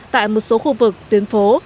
tại một số khu vực tuyến phố